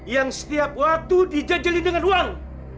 yang setiap waktu di jajelin dengan uang